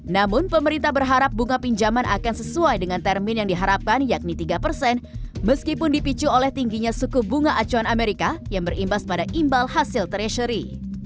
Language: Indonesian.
namun pemerintah berharap bunga pinjaman akan sesuai dengan termin yang diharapkan yakni tiga persen meskipun dipicu oleh tingginya suku bunga acuan amerika yang berimbas pada imbal hasil treasury